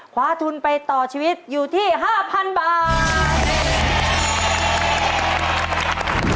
คว้าทุนไปต่อชีวิตอยู่ที่๕๐๐๐บาท